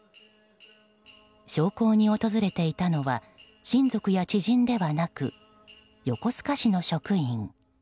焼香に訪れていたのは親族や知人ではなく横須賀市の職員。